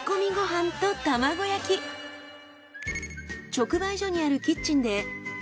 直売所にあるキッチンで。